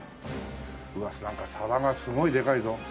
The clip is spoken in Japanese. うわっなんか皿がすごいでかいぞ。